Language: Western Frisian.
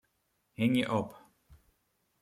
Hingje op.